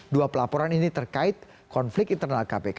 dua pelaporan ini terkait konflik internal kpk